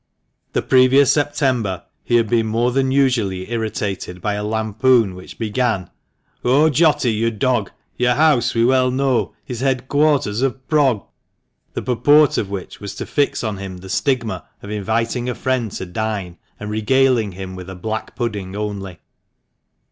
The previous September he had been more than usually irritated by a lampoon which began " O Jotty, you dog, Your house we well know Is headquarters of prog " the purport of which was to fix on him the stigma of inviting a friend to dine, and regaling him with a black pudding only.